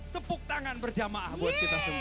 tepuk tangan berjamaah buat kita semua